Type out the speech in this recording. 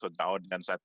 kepada penonton saya rasa